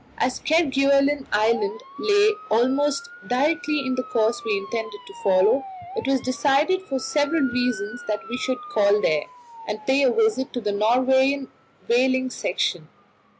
As Kerguelen Island lay almost directly in the course we intended to follow, it was decided for several reasons that we should call there, and pay a visit to the Norwegian whaling station.